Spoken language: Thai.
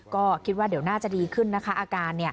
ก็คิดว่าเดี๋ยวน่าจะดีขึ้นนะคะอาการ